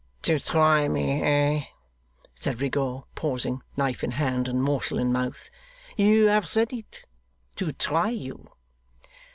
'To try me, eh?' said Rigaud, pausing, knife in hand and morsel in mouth. 'You have said it. To try you.